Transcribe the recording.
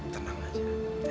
tenang aja ya